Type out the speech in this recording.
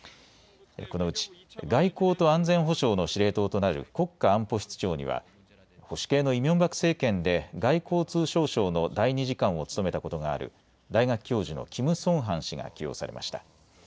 このうち外交と安全保障の司令塔となる国家安保室長には保守系のイ・ミョンバク政権で外交通商省の第２次官を務めたことがある大学教授のキム・ソンハン氏が起用されました。